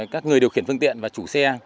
các người điều khiển phương tiện và chủ xe